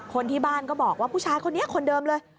คนที่บ้านก็บอกว่าผู้ชายคนนี้คนเดิมเลย